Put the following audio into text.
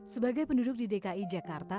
sebagai penduduk di dki jakarta